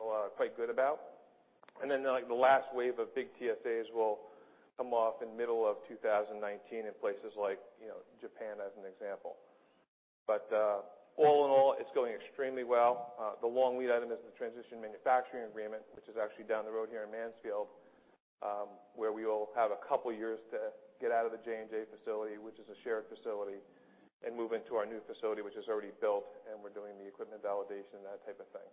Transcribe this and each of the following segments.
Well, quite good about. And then, like, the last wave of big TSAs will come off in the middle of 2019 in places like, you know, Japan, as an example. But all in all, it's going extremely well. The long lead item is the transition manufacturing agreement, which is actually down the road here in Mansfield, where we will have a couple years to get out of the J&J facility, which is a shared facility, and move into our new facility, which is already built. And we're doing the equipment validation, that type of thing.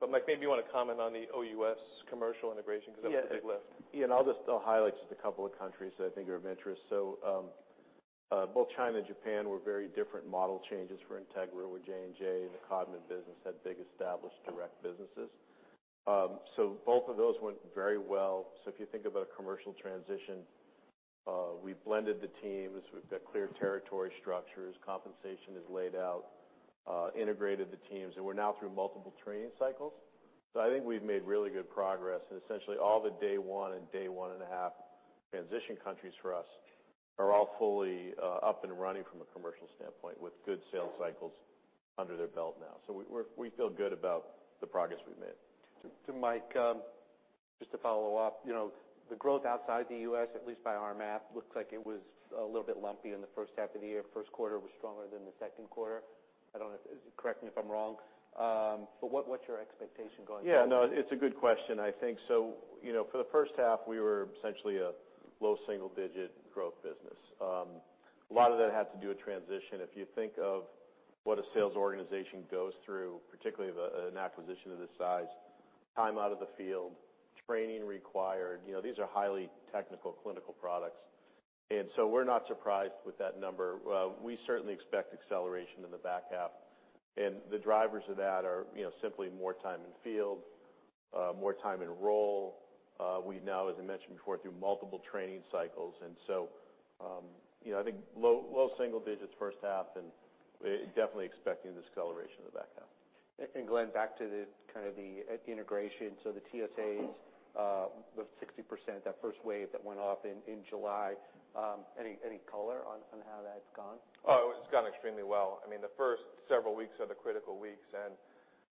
But Mike, maybe you wanna comment on the OUS commercial integration 'cause that was a big lift. Yeah. Yeah. And I'll just, I'll highlight just a couple of countries that I think are of interest. So, both China and Japan were very different model changes for Integra with J&J. The Codman business had big established direct businesses. So both of those went very well. So if you think about a commercial transition, we've blended the teams. We've got clear territory structures. Compensation is laid out, integrated the teams. And we're now through multiple training cycles. So I think we've made really good progress. And essentially, all the day one and day one and a half transition countries for us are all fully up and running from a commercial standpoint with good sales cycles under their belt now. So we feel good about the progress we've made. To Mike, just to follow up, you know, the growth outside the US, at least by our math, looks like it was a little bit lumpy in the first half of the year. First quarter was stronger than the second quarter. I don't know. Correct me if I'm wrong, but what's your expectation going forward? Yeah. No, it's a good question, I think. So, you know, for the first half, we were essentially a low single-digit growth business. A lot of that had to do with transition. If you think of what a sales organization goes through, particularly with an acquisition of this size, time out of the field, training required, you know, these are highly technical, clinical products. And so we're not surprised with that number. We certainly expect acceleration in the back half. And the drivers of that are, you know, simply more time in field, more time in role. We now, as I mentioned before, do multiple training cycles. And so, you know, I think low, low single digits first half, and we're definitely expecting the acceleration of the back half. And Glenn, back to the kind of integration. So the TSAs, the 60%, that first wave that went off in July, any color on how that's gone? Oh, it's gone extremely well. I mean, the first several weeks are the critical weeks. And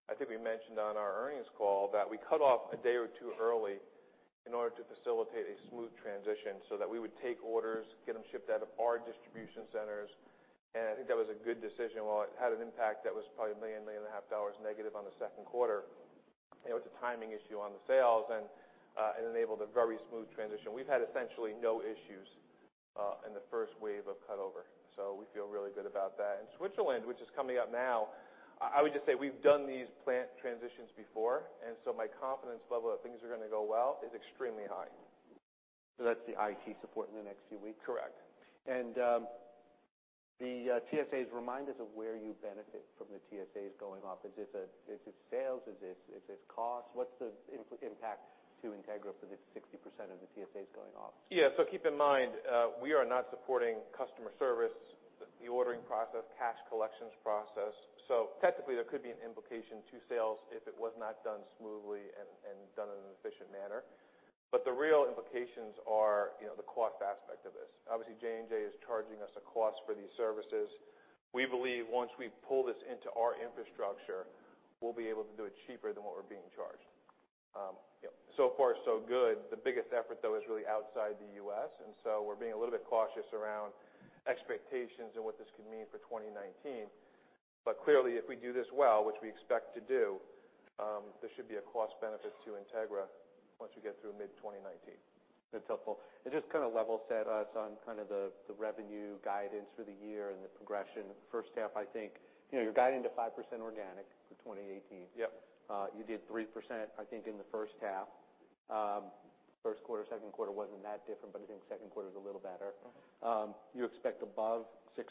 I think we mentioned on our earnings call that we cut off a day or two early in order to facilitate a smooth transition so that we would take orders, get them shipped out of our distribution centers. And I think that was a good decision. Well, it had an impact that was probably $1 million-$1.5 million negative on the second quarter. You know, it's a timing issue on the sales. And it enabled a very smooth transition. We've had essentially no issues in the first wave of cutover. So we feel really good about that. And Switzerland, which is coming up now, I would just say we've done these plant transitions before. And so my confidence level that things are gonna go well is extremely high. That's the IT support in the next few weeks? Correct. The TSAs remind us of where you benefit from the TSAs going off. Is this sales? Is this cost? What's the impact to Integra for the 60% of the TSAs going off? Yeah. So keep in mind, we are not supporting customer service, the ordering process, cash collections process. So technically, there could be an implication to sales if it was not done smoothly and done in an efficient manner. But the real implications are, you know, the cost aspect of this. Obviously, J&J is charging us a cost for these services. We believe once we pull this into our infrastructure, we'll be able to do it cheaper than what we're being charged. You know, so far, so good. The biggest effort, though, is really outside the US, and so we're being a little bit cautious around expectations and what this could mean for twenty nineteen, but clearly, if we do this well, which we expect to do, there should be a cost benefit to Integra once we get through mid-twenty nineteen. That's helpful. And just kinda level set us on kinda the revenue guidance for the year and the progression. First half, I think, you know, you're guiding to 5% organic for 2018. Yep. You did 3%, I think, in the first half. First quarter, second quarter wasn't that different, but I think second quarter's a little better. You expect above 6%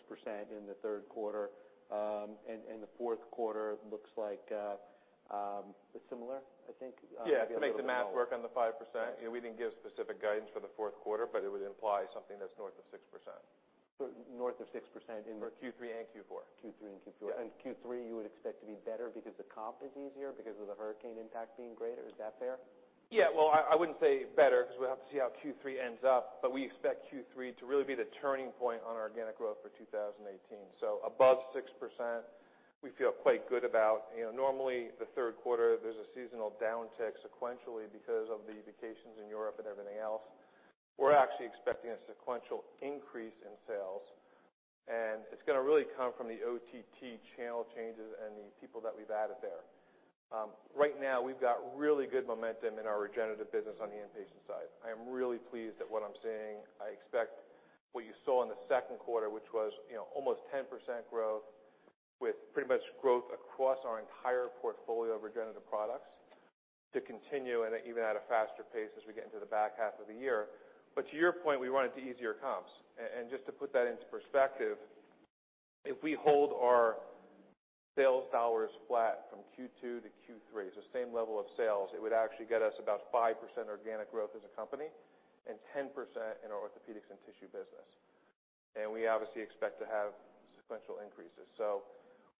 in the third quarter, and the fourth quarter looks like it's similar, I think. Yeah. It's gonna be able to. Yeah. Just make the math work on the 5%. You know, we didn't give specific guidance for the fourth quarter, but it would imply something that's north of 6%. So North of 6% in. For Q3 and Q4. Yeah. Q3, you would expect to be better because the comp is easier because of the hurricane impact being greater. Is that fair? Yeah. Well, I, I wouldn't say better 'cause we'll have to see how Q3 ends up. But we expect Q3 to really be the turning point on organic growth for 2018. So above 6%, we feel quite good about. You know, normally, the third quarter, there's a seasonal downtick sequentially because of the vacations in Europe and everything else. We're actually expecting a sequential increase in sales. And it's gonna really come from the OTT channel changes and the people that we've added there. Right now, we've got really good momentum in our regenerative business on the inpatient side. I am really pleased at what I'm seeing. I expect what you saw in the second quarter, which was, you know, almost 10% growth with pretty much growth across our entire portfolio of regenerative products to continue and even at a faster pace as we get into the back half of the year, but to your point, we wanted to ease your comps. And just to put that into perspective, if we hold our sales dollars flat from Q2 to Q3, so same level of sales, it would actually get us about 5% organic growth as a company and 10% in our orthopedics and tissue business. We obviously expect to have sequential increases.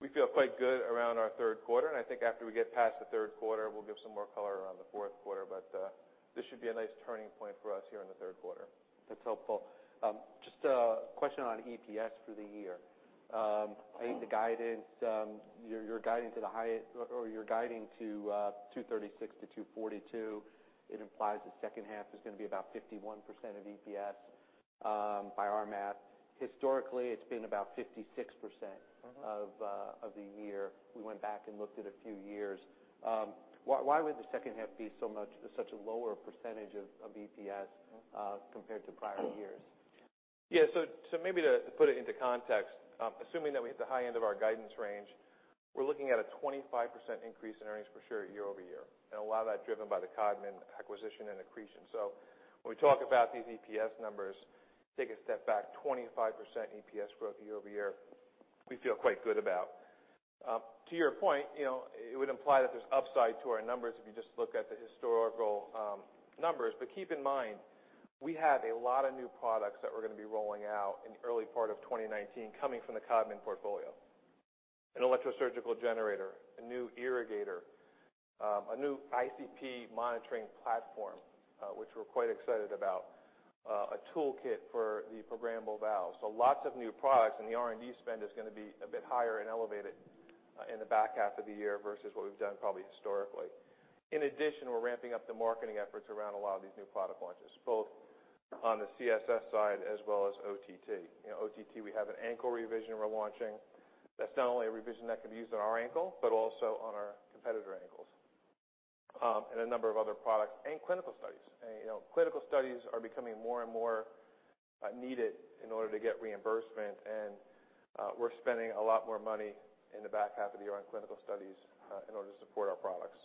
We feel quite good around our third quarter. I think after we get past the third quarter, we'll give some more color around the fourth quarter. But this should be a nice turning point for us here in the third quarter. That's helpful. Just a question on EPS for the year. I think the guidance, you're guiding to the highest, or you're guiding to $2.36-$2.42. It implies the second half is gonna be about 51% of EPS, by our math. Historically, it's been about 56%. Of the year. We went back and looked at a few years. Why would the second half be so much such a lower percentage of EPS. Compared to prior years? Yeah. So maybe to put it into context, assuming that we hit the high end of our guidance range, we're looking at a 25% increase in earnings per share year over year. And a lot of that driven by the Codman acquisition and accretion. So when we talk about these EPS numbers, take a step back, 25% EPS growth year over year, we feel quite good about. To your point, you know, it would imply that there's upside to our numbers if you just look at the historical numbers. But keep in mind, we have a lot of new products that we're gonna be rolling out in the early part of 2019 coming from the Codman portfolio: an electrosurgical generator, a new irrigator, a new ICP monitoring platform, which we're quite excited about, a toolkit for the programmable valves. So lots of new products. And the R&D spend is gonna be a bit higher and elevated in the back half of the year versus what we've done probably historically. In addition, we're ramping up the marketing efforts around a lot of these new product launches, both on the CSS side as well as OTT. You know, OTT, we have an ankle revision we're launching. That's not only a revision that can be used on our ankle but also on our competitor ankles, and a number of other products and clinical studies. And, you know, clinical studies are becoming more and more needed in order to get reimbursement. And, we're spending a lot more money in the back half of the year on clinical studies, in order to support our products.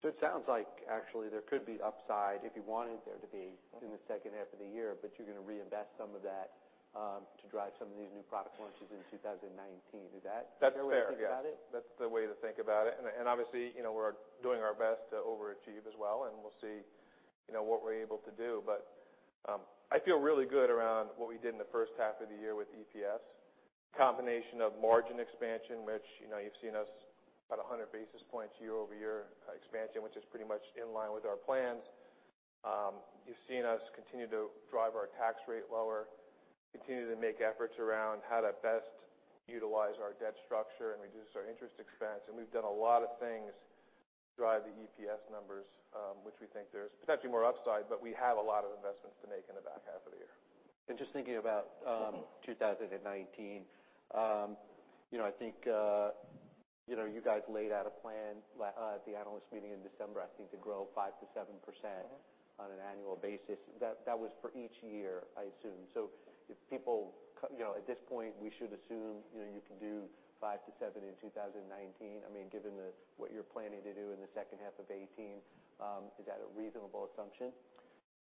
So it sounds like, actually, there could be upside if you wanted there to be. In the second half of the year, but you're gonna reinvest some of that, to drive some of these new product launches in 2019. Is that? That's fair. The way to think about it? That's the way to think about it. And, and obviously, you know, we're doing our best to overachieve as well. And we'll see, you know, what we're able to do. But, I feel really good around what we did in the first half of the year with EPS, a combination of margin expansion, which, you know, you've seen us about 100 basis points year over year, expansion, which is pretty much in line with our plans. You've seen us continue to drive our tax rate lower, continue to make efforts around how to best utilize our debt structure and reduce our interest expense. And we've done a lot of things to drive the EPS numbers, which we think there's potentially more upside. But we have a lot of investments to make in the back half of the year. Just thinking about, Two thousand and nineteen, you know, I think, you know, you guys laid out a plan last at the analyst meeting in December, I think, to grow 5%-7%. On an annual basis. That was for each year, I assume. So if people you know, at this point, we should assume, you know, you can do five to seven in two thousand nineteen. I mean, given what you're planning to do in the second half of eighteen, is that a reasonable assumption?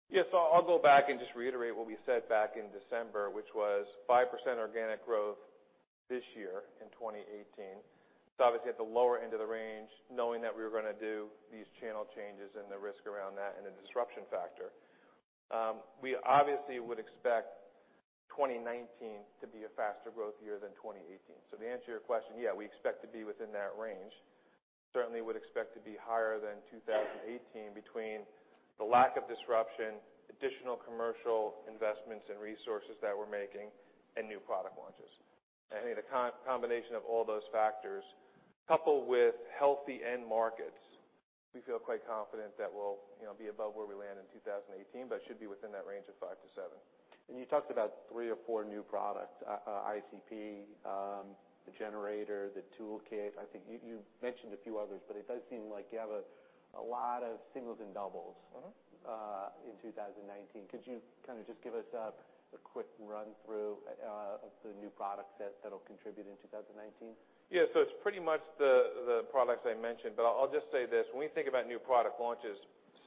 Yeah. So I'll go back and just reiterate what we said back in December, which was 5% organic growth this year in 2018. So obviously, at the lower end of the range, knowing that we were gonna do these channel changes and the risk around that and the disruption factor, we obviously would expect 2019 to be a faster growth year than 2018. So to answer your question, yeah, we expect to be within that range. Certainly, we would expect to be higher than 2018 between the lack of disruption, additional commercial investments and resources that we're making, and new product launches. And I think the combination of all those factors, coupled with healthy end markets, we feel quite confident that we'll, you know, be above where we land in 2018, but should be within that range of 5%-7%. You talked about three or four new products, ICP, the generator, the toolkit. I think you mentioned a few others, but it does seem like you have a lot of singles and doubles. In 2019. Could you kinda just give us a quick run-through of the new products that'll contribute in 2019? Yeah. So it's pretty much the products I mentioned. But I'll just say this. When we think about new product launches,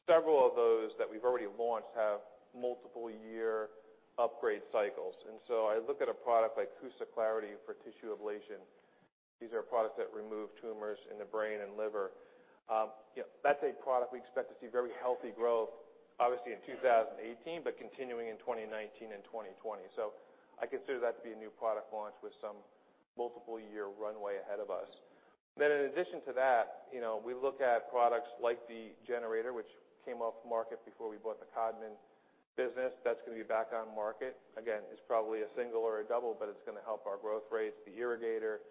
several of those that we've already launched have multiple-year upgrade cycles. And so I look at a product like CUSA Clarity for tissue ablation. These are products that remove tumors in the brain and liver. You know, that's a product we expect to see very healthy growth, obviously, in 2018, but continuing in 2019 and 2020. So I consider that to be a new product launch with some multiple-year runway ahead of us. Then in addition to that, you know, we look at products like the DuraGen, which came off the market before we bought the Codman business. That's gonna be back on market. Again, it's probably a single or a double, but it's gonna help our growth rates. The irrigator,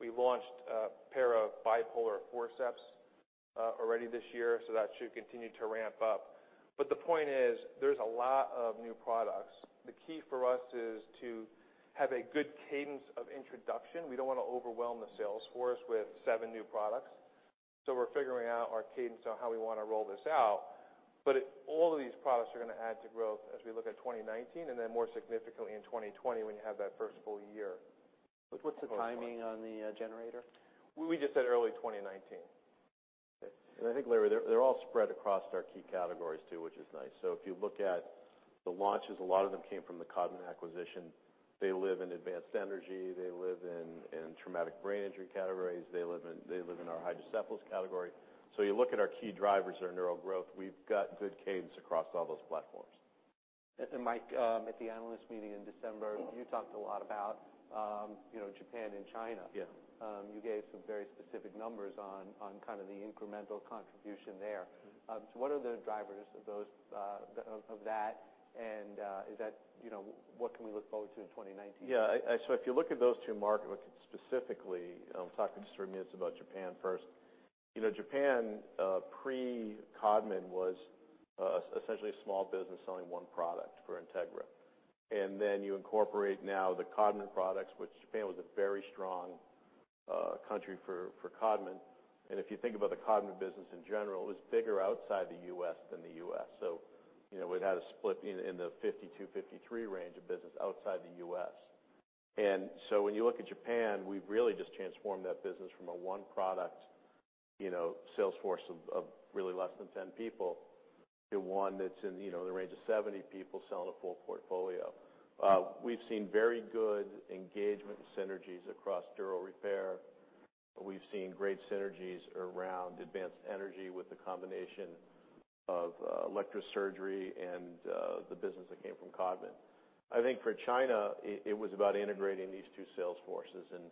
we launched a pair of bipolar forceps, already this year. So that should continue to ramp up. But the point is, there's a lot of new products. The key for us is to have a good cadence of introduction. We don't wanna overwhelm the sales force with seven new products. So we're figuring out our cadence on how we wanna roll this out. But all of these products are gonna add to growth as we look at 2019 and then more significantly in 2020 when you have that first full year. But what's the timing on the generator? We just said early 2019. And I think, Larry, they're all spread across our key categories too, which is nice. So if you look at the launches, a lot of them came from the Codman acquisition. They live in advanced energy. They live in traumatic brain injury categories. They live in our hydrocephalus category. So you look at our key drivers that are neural growth. We've got good cadence across all those platforms. And Mike, at the analyst meeting in December. You talked a lot about, you know, Japan and China. Yeah. You gave some very specific numbers on kinda the incremental contribution there. So what are the drivers of those, of that? And, is that, you know, what can we look forward to in 2019? Yeah. So if you look at those two markets specifically, talking to Stuart and Mike about Japan first, you know, Japan pre-Codman was essentially a small business selling one product for Integra. And then you incorporate now the Codman products, which Japan was a very strong country for Codman. And if you think about the Codman business in general, it was bigger outside the U.S. than the U.S. So you know, it had a split in the 52-53 range of business outside the U.S. And so when you look at Japan, we've really just transformed that business from a one product you know sales force of really less than 10 people to one that's in you know the range of 70 people selling a full portfolio. We've seen very good engagement synergies across dural repair. We've seen great synergies around advanced energy with the combination of electrosurgery and the business that came from Codman. I think for China, it was about integrating these two sales forces and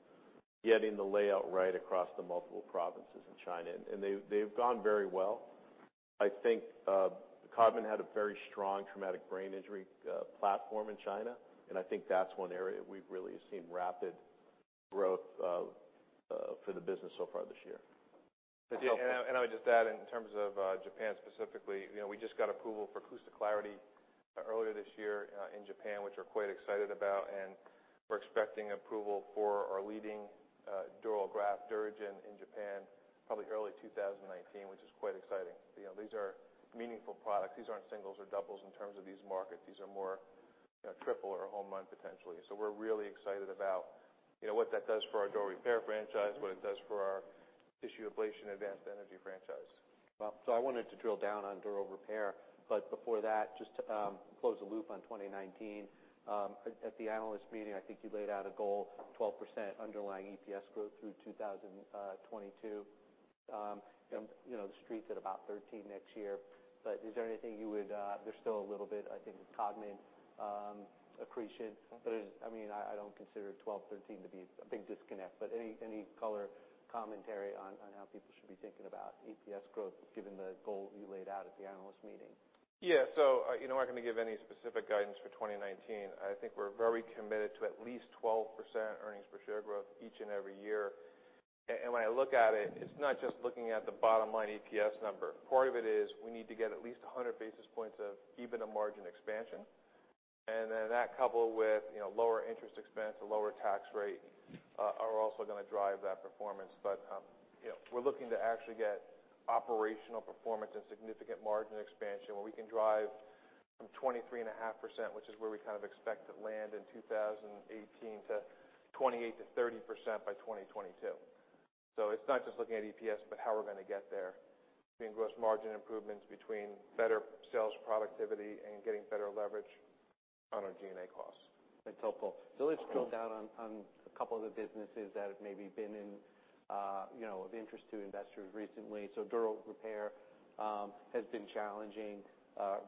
getting the layout right across the multiple provinces in China. And they've gone very well. I think Codman had a very strong traumatic brain injury platform in China. And I think that's one area we've really seen rapid growth for the business so far this year. Yeah. I would just add in terms of Japan specifically. You know, we just got approval for CUSA Clarity earlier this year in Japan, which we're quite excited about. We're expecting approval for our leading dural graft DuraGen in Japan probably early 2019, which is quite exciting. You know, these are meaningful products. These aren't singles or doubles in terms of these markets. These are more, you know, triple or a home run potentially. We're really excited about, you know, what that does for our dural repair franchise, what it does for our tissue ablation advanced energy franchise. I wanted to drill down on dural repair, but before that, just to close the loop on 2019, at the analyst meeting, I think you laid out a goal, 12% underlying EPS growth through 2022, and you know, the street's at about 13% next year. But is there anything you would, there's still a little bit, I think, Codman accretion. But it is, I mean, I don't consider twelve, thirteen to be a big disconnect. But any color commentary on how people should be thinking about EPS growth given the goal you laid out at the analyst meeting? Yeah. You know, I'm not gonna give any specific guidance for 2019. I think we're very committed to at least 12% earnings per share growth each and every year. And when I look at it, it's not just looking at the bottom line EPS number. Part of it is we need to get at least 100 basis points of even a margin expansion. And then that coupled with, you know, lower interest expense and lower tax rate, are also gonna drive that performance. But, you know, we're looking to actually get operational performance and significant margin expansion where we can drive from 23.5%, which is where we kind of expect to land in 2018, to 28%-30% by 2022. So it's not just looking at EPS, but how we're gonna get there, getting gross margin improvements between better sales productivity and getting better leverage on our G&A costs. That's helpful. So let's drill down on a couple of the businesses that have maybe been, you know, of interest to investors recently. Dural repair has been challenging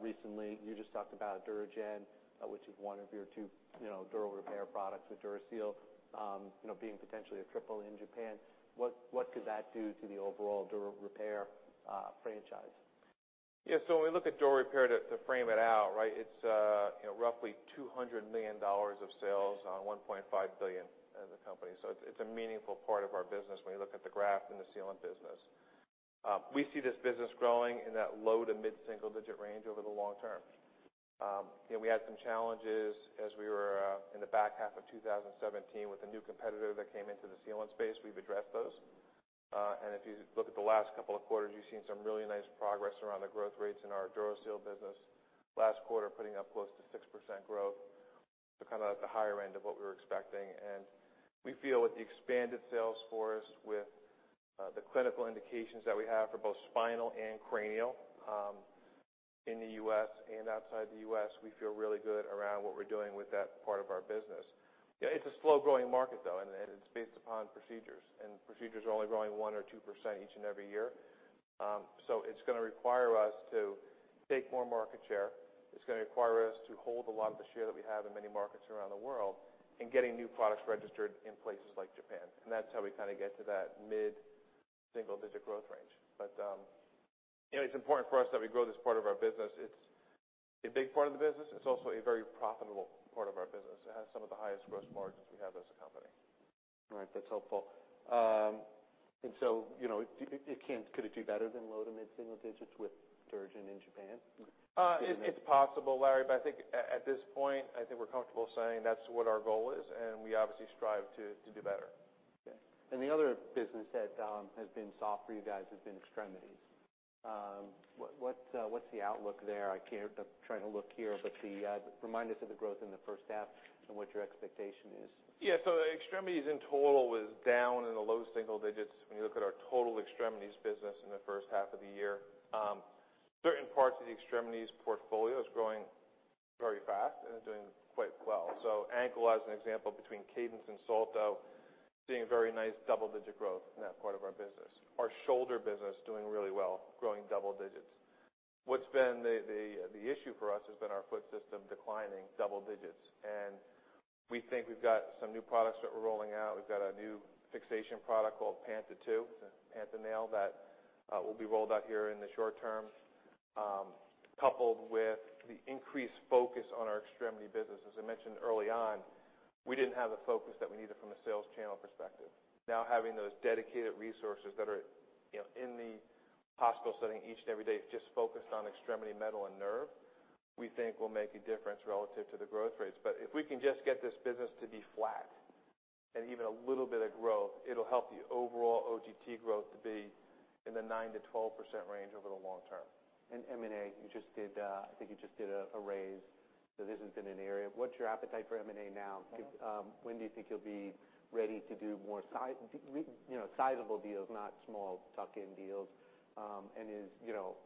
recently. You just talked about DuraGen, which is one of your two, you know, Dural repair products with DuraSeal, you know, being potentially a triple in Japan. What could that do to the overall Dural repair franchise? Yeah. So when we look at dural repair, to frame it out, right, it's, you know, roughly $200 million of sales on $1.5 billion as a company. So it's a meaningful part of our business when you look at the graft and the sealant business. We see this business growing in that low- to mid-single-digit range over the long term. You know, we had some challenges as we were in the back half of 2017 with a new competitor that came into the sealant space. We've addressed those. And if you look at the last couple of quarters, you've seen some really nice progress around the growth rates in our DuraSeal business. Last quarter, putting up close to 6% growth. So kinda at the higher end of what we were expecting. We feel with the expanded sales force, with the clinical indications that we have for both spinal and cranial, in the US and outside the US, we feel really good around what we're doing with that part of our business. Yeah. It's a slow-growing market, though. It's based upon procedures. Procedures are only growing one or two % each and every year. So it's gonna require us to take more market share. It's gonna require us to hold a lot of the share that we have in many markets around the world and getting new products registered in places like Japan. That's how we kinda get to that mid-single digit growth range. You know, it's important for us that we grow this part of our business. It's a big part of the business. It's also a very profitable part of our business. It has some of the highest gross margins we have as a company. All right. That's helpful. And so, you know, it can't. Could it do better than low to mid-single digits with DuraGen in Japan? It's possible, Larry. But I think, at this point, I think we're comfortable saying that's what our goal is. And we obviously strive to do better. Okay. And the other business that has been soft for you guys has been Extremities. What's the outlook there? I can't. I'm trying to look here, but remind us of the growth in the first half and what your expectation is. Yeah. So Extremities in total was down in the low single digits when you look at our total Extremities business in the first half of the year. Certain parts of the Extremities portfolio is growing very fast and is doing quite well. So Ankle, as an example, between Cadence and Salto, seeing very nice double-digit growth in that part of our business. Our shoulder business doing really well, growing double digits. What's been the issue for us has been our foot system declining double digits. And we think we've got some new products that we're rolling out. We've got a new fixation product called Panta II, the Panta nail that will be rolled out here in the short term, coupled with the increased focus on our Extremity business. As I mentioned early on, we didn't have the focus that we needed from a sales channel perspective. Now having those dedicated resources that are, you know, in the hospital setting each and every day just focused on Extremity metal and nerve, we think will make a difference relative to the growth rates. But if we can just get this business to be flat and even a little bit of growth, it'll help the overall OTT growth to be in the 9%-12% range over the long term. M&A, you just did, I think you just did a raise. This has been an area. What's your appetite for M&A now? When do you think you'll be ready to do more, so you know, sizable deals, not small tuck-in deals? And is, you know,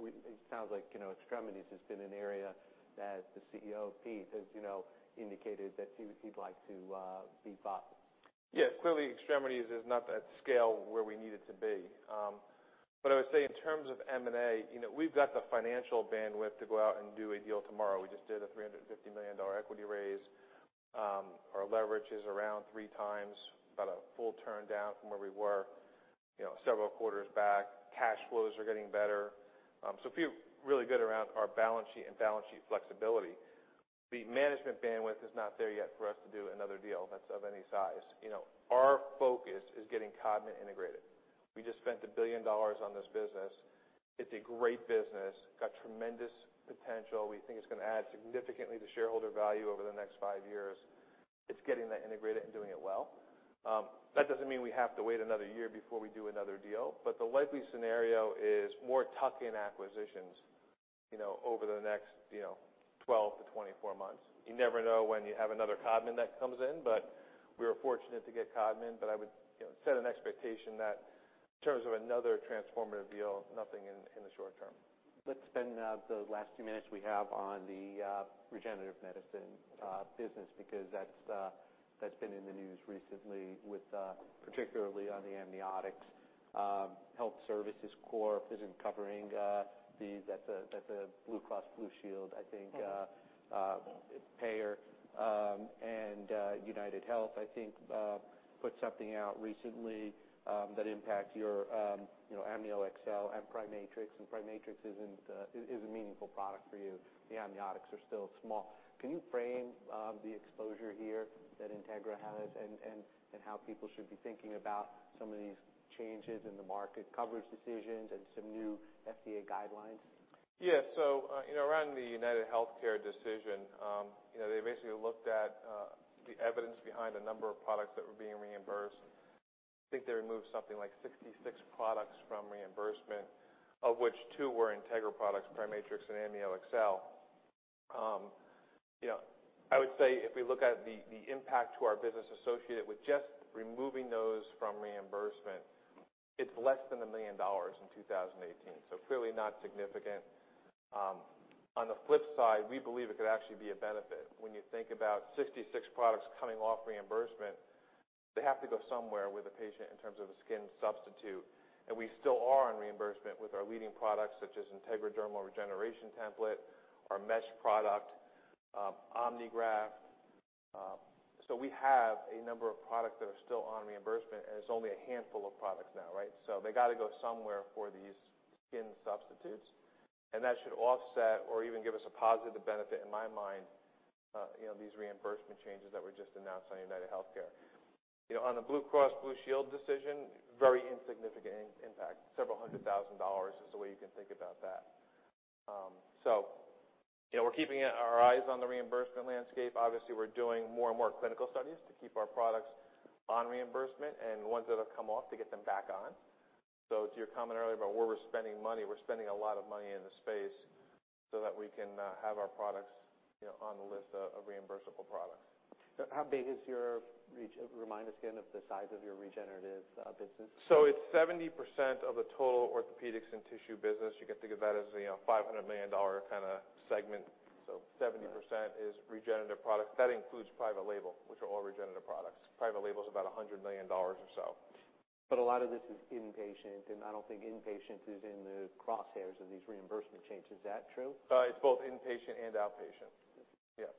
it sounds like, you know, Extremities has been an area that the CEO, Pete, has, you know, indicated that he, he'd like to be bought. Yeah. Clearly, Extremities is not at scale where we need it to be. But I would say in terms of M&A, you know, we've got the financial bandwidth to go out and do a deal tomorrow. We just did a $350 million equity raise. Our leverage is around three times, about a full turn down from where we were, you know, several quarters back. Cash flows are getting better. So we feel really good around our balance sheet and balance sheet flexibility. The management bandwidth is not there yet for us to do another deal that's of any size. You know, our focus is getting Codman integrated. We just spent a $1 billion on this business. It's a great business. Got tremendous potential. We think it's gonna add significantly to shareholder value over the next five years. It's getting that integrated and doing it well. That doesn't mean we have to wait another year before we do another deal. But the likely scenario is more tuck-in acquisitions, you know, over the next, you know, twelve to twenty-four months. You never know when you have another Codman that comes in. But we were fortunate to get Codman. But I would, you know, set an expectation that in terms of another transformative deal, nothing in the short term. Let's spend the last two minutes we have on the regenerative medicine business because that's been in the news recently with particularly on the amniotics. Health Care Service Corporation isn't covering. That's a Blue Cross Blue Shield, I think, payer. And UnitedHealthcare, I think, put something out recently that impacts your, you know, AmnioExcel and PriMatrix. And PriMatrix isn't a meaningful product for you. The amniotics are still small. Can you frame the exposure here that Integra has and how people should be thinking about some of these changes in the market, coverage decisions, and some new FDA guidelines? Yeah. So, you know, around the UnitedHealthcare decision, you know, they basically looked at the evidence behind a number of products that were being reimbursed. I think they removed something like 66 products from reimbursement, of which 2 were Integra products, PriMatrix and AmnioExcel. You know, I would say if we look at the impact to our business associated with just removing those from reimbursement, it's less than $1 million in 2018. So clearly not significant. On the flip side, we believe it could actually be a benefit. When you think about 66 products coming off reimbursement, they have to go somewhere with a patient in terms of a skin substitute. And we still are on reimbursement with our leading products such as Integra Dermal Regeneration Template, our mesh product, OmniGraft. So we have a number of products that are still on reimbursement. And it's only a handful of products now, right? So they gotta go somewhere for these skin substitutes. And that should offset or even give us a positive benefit in my mind, you know, these reimbursement changes that were just announced on UnitedHealthcare. You know, on the Blue Cross Blue Shield decision, very insignificant impact. Several hundred thousand dollars is the way you can think about that. So, you know, we're keeping our eyes on the reimbursement landscape. Obviously, we're doing more and more clinical studies to keep our products on reimbursement and ones that have come off to get them back on. So to your comment earlier about where we're spending money, we're spending a lot of money in the space so that we can have our products, you know, on the list of reimbursable products. So how big is your reach? Remind us again of the size of your regenerative business. So it's 70% of the total orthopedics and tissue business. You can think of that as a, you know, $500 million kinda segment. So 70% is regenerative products. That includes private label, which are all regenerative products. Private label's about $100 million or so. But a lot of this is inpatient. And I don't think inpatient is in the crosshairs of these reimbursement changes. Is that true? It's both inpatient and outpatient. Yes.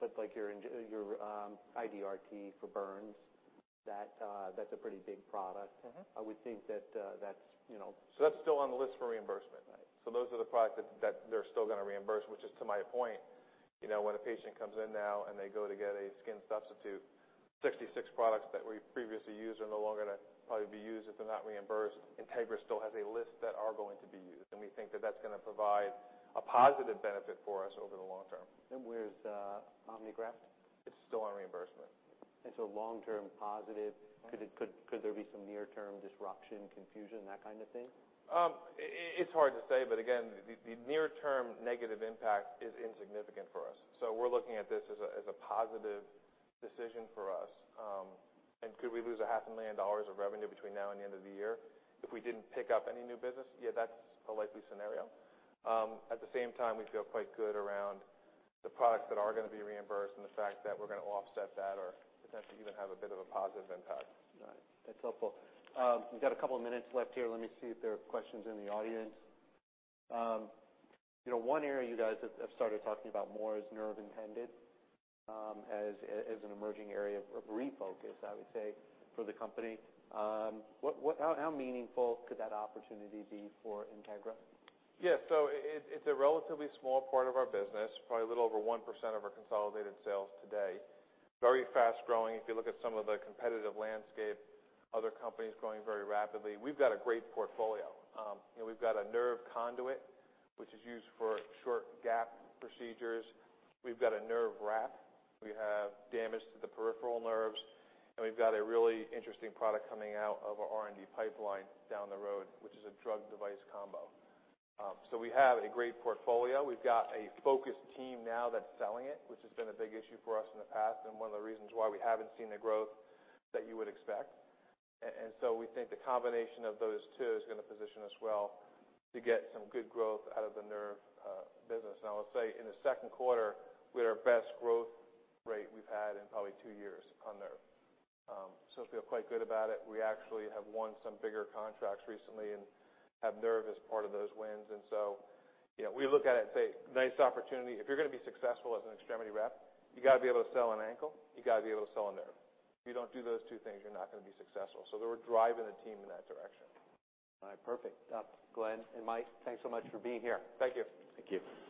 but like your IDRT for burns, that's a pretty big product. I would think that that's, you know. That's still on the list for reimbursement. Right. So those are the products that they're still gonna reimburse, which is to my point. You know, when a patient comes in now and they go to get a skin substitute, 66 products that we previously used are no longer gonna probably be used if they're not reimbursed. Integra still has a list that are going to be used, and we think that that's gonna provide a positive benefit for us over the long term. Where's OmniGraft? It's still on reimbursement. And so, long term, positive. Could there be some near-term disruption, confusion, that kind of thing? It's hard to say. But again, the near-term negative impact is insignificant for us. So we're looking at this as a positive decision for us. And could we lose $500,000 of revenue between now and the end of the year if we didn't pick up any new business? Yeah. That's a likely scenario. At the same time, we feel quite good around the products that are gonna be reimbursed and the fact that we're gonna offset that or potentially even have a bit of a positive impact. Right. That's helpful. We've got a couple of minutes left here. Let me see if there are questions in the audience. You know, one area you guys have started talking about more is nerve repair, as an emerging area of refocus, I would say, for the company. How meaningful could that opportunity be for Integra? Yeah. So it's a relatively small part of our business, probably a little over 1% of our consolidated sales today. Very fast growing. If you look at some of the competitive landscape, other companies growing very rapidly. We've got a great portfolio, you know. We've got a nerve conduit, which is used for short gap procedures. We've got a nerve wrap. We have damage to the peripheral nerves. And we've got a really interesting product coming out of our R&D pipeline down the road, which is a drug-device combo, so we have a great portfolio. We've got a focused team now that's selling it, which has been a big issue for us in the past and one of the reasons why we haven't seen the growth that you would expect. And so we think the combination of those two is gonna position us well to get some good growth out of the nerve business. And I will say in the second quarter, we had our best growth rate we've had in probably two years on nerve. So feel quite good about it. We actually have won some bigger contracts recently and have nerve as part of those wins. And so, you know, we look at it and say, "Nice opportunity. If you're gonna be successful as an Extremity rep, you gotta be able to sell an ankle. You gotta be able to sell a nerve. If you don't do those two things, you're not gonna be successful." So we're driving the team in that direction. All right. Perfect. Glenn and Mike, thanks so much for being here. Thank you. Thank you.